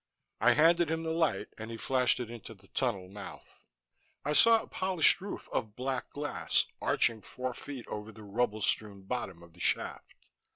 I handed him the light and he flashed it into the tunnel mouth. I saw a polished roof of black glass arching four feet over the rubble strewn bottom of the shaft.